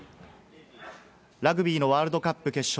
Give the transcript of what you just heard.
ラグビーのワールドカップ決勝。